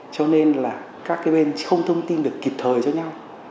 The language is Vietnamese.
cho nên là các cái bên không thông tin được kịp thời cho nhau